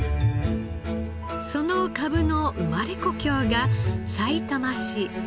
そのかぶの生まれ故郷がさいたま市見沼区。